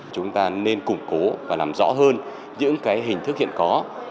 chúng ta nên củng cố và làm rõ hơn những hình thức hiện có